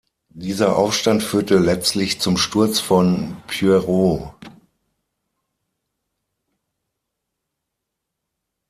Dieser Aufstand führte letztlich zum Sturz von Pierrot.